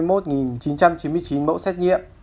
tám trăm hai mươi một chín trăm chín mươi chín mẫu xét nghiệm